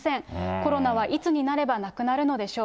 コロナはいつになればなくなるのでしょう。